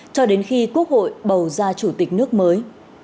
cho đến khi quốc hội bầu ra chủ tịch nước mới